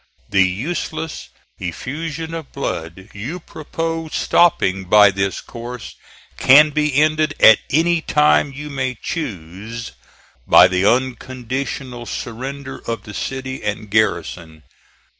The useless effusion of blood you propose stopping by this course can be ended at any time you may choose, by the unconditional surrender of the city and garrison.